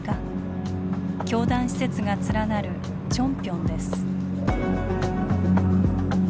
教団施設が連なるチョンピョンです。